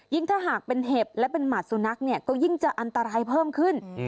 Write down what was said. ถ้าหากเป็นเห็บและเป็นหมาดสุนัขเนี่ยก็ยิ่งจะอันตรายเพิ่มขึ้น